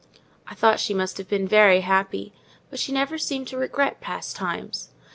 I thought she must have been very happy: but she never seemed to regret past times.